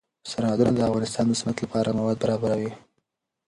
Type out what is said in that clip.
سرحدونه د افغانستان د صنعت لپاره مواد برابروي.